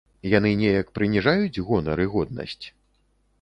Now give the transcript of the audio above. Яны неяк прыніжаюць гонар і годнасць?